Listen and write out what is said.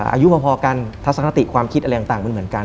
อายุพอกันทัศนคติความคิดอะไรต่างมันเหมือนกัน